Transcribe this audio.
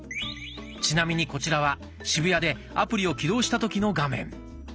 ちなみにこちらは渋谷でアプリを起動した時の画面。